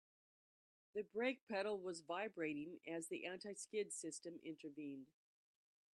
The brake pedal was vibrating as the anti-skid system intervened.